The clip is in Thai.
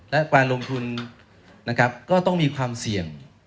และการลงทุนนะครับก็ต้องมีความเสี่ยง